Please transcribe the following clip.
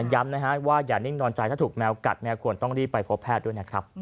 ย้ำว่าอย่านิ่งนอนใจถ้าถูกแมวกัดแมวควรต้องรีบไปพบแพทย์